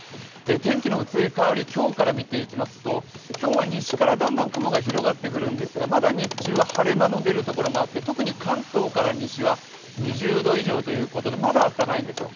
天気の移り変わりを今日から見ていきますと、今日は西からだんだん雲が広がって来るんですが、まだ晴れ間のあるところもあって特に関東から西は２０度以上ということでまだあったかいんですよ。